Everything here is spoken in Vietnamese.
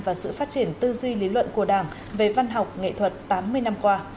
và sự phát triển tư duy lý luận của đảng về văn học nghệ thuật tám mươi năm qua